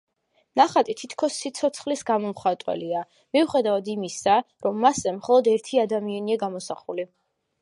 ნახატი თითქოს სიცოცხლის გამომხატველია, მიუხედავად იმისა, რომ მასზე მხოლოდ ერთი ადამიანია გამოსახული.